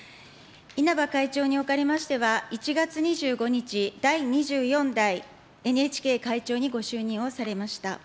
稲葉会長におかれましては、１月２５日、第２４代ＮＨＫ会長にご就任をされました。